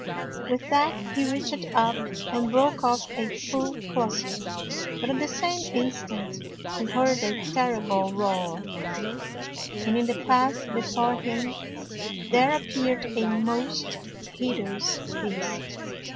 With that he reached up and broke off a full cluster, but at the same instant he heard a terrible roar, and in the path before him there appeared a most hideous Beast.